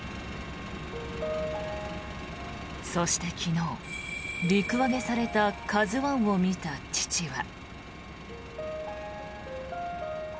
そして昨日、陸揚げされた「ＫＡＺＵ１」を見た父は。